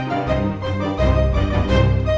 sering bikin gue kesel